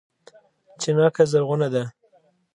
چينکه زرغونه ده